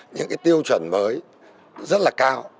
những cái tiêu chuẩn mới rất là cao